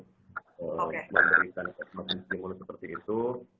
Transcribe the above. memberikan maksimum stimulus seperti itu